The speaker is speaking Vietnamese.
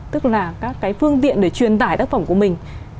tức là các cái phương tiện để truyền tải tác phẩm của mình